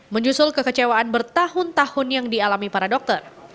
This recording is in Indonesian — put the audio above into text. menyusul kekecewaan bertahun tahun yang dialami para dokter